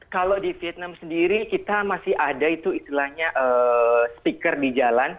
kalau di vietnam sendiri kita masih ada itu istilahnya stiker di jalan